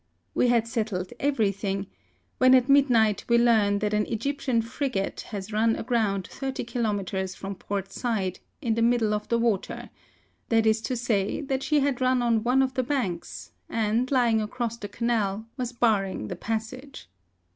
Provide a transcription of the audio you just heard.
We had settled everything, when at midnight we learn that an Egyptian frigate 84 HISTORY OP has run aground thirty kilometres from Port Said, in the middle of the water — that is to say, that she had run on one of the banks, and, Ijdng across the Canal, was barring the passage.